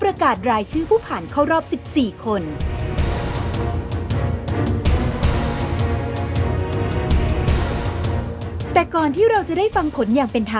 รายการต่อไปนี้เหมาะสำหรับผู้ชมที่มีอายุ๑๓ปีควรได้รับคำแนะนำ